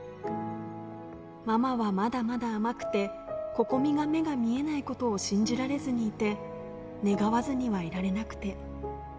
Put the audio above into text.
ママはまだまだ甘くて、心々咲が目が見えないことを信じられずにいて、願わずにはいられなくて。